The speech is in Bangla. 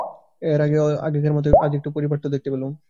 ওরই মধ্যে আগেকার মতো আজ একটু পারিপাট্য দেখতে পেলুম।